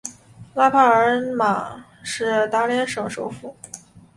拉帕尔马是达连省首府。